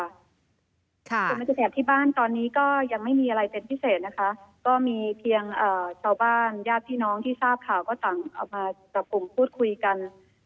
ส่วนบรรยากาศที่บ้านตอนนี้ก็ยังไม่มีอะไรเป็นพิเศษนะคะก็มีเพียงชาวบ้านญาติพี่น้องที่ทราบข่าวก็ต่างเอามาจับกลุ่มพูดคุยกัน